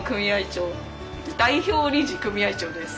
長代表理事組合長です。